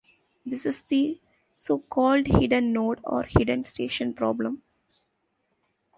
This is the so-called 'hidden node', or 'hidden station' problem.